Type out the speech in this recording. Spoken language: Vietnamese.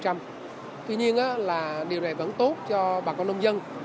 tuy nhiên là điều này vẫn tốt cho bà con nông dân